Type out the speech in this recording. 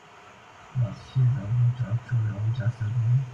Was his adventure actually all just a dream?